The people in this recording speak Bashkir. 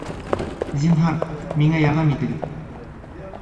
Зинһар, миңә ярҙам итегеҙ